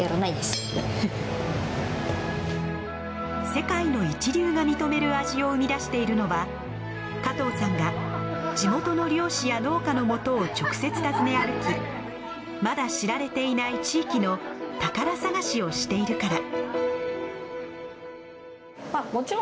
世界の一流が認める味を生み出しているのは加藤さんが地元の漁師や農家のもとを直接訪ね歩きまだ知られていない地域の宝探しをしているから。